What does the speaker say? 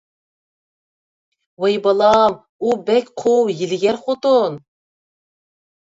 ۋاي بالام، ئۇ بەك قۇۋ، ھىيلىگەر خوتۇن.